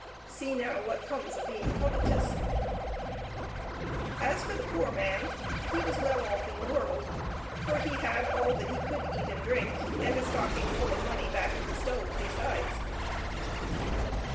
See, now, what comes of being covetous ! As for the poor man, he was well off in the world, for he had all that he could eat and drink, and a stockingful of money back of the stove besides.